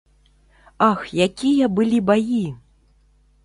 Ах, якія былі баі!